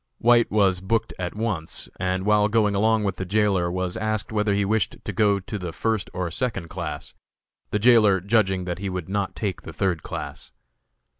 White was booked at once, and while going along with the jailer was asked whether he wished to go to the first or second class, the jailer judging that he would not take the third class.